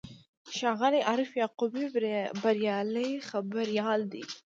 ښاغلی عارف یعقوبي بریالی خبریال دی.